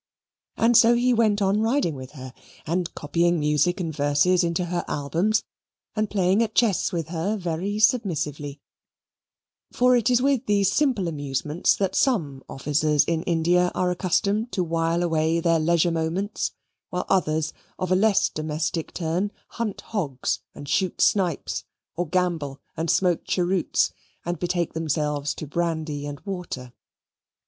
And so he went on riding with her, and copying music and verses into her albums, and playing at chess with her very submissively; for it is with these simple amusements that some officers in India are accustomed to while away their leisure moments, while others of a less domestic turn hunt hogs, and shoot snipes, or gamble and smoke cheroots, and betake themselves to brandy and water.